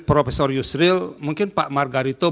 profesor yusril mungkin pak margarito